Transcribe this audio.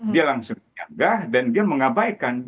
dia langsung menyanggah dan dia mengabaikan